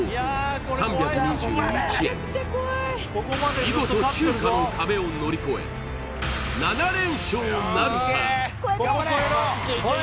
見事中華の壁を乗り越え７連勝なるか？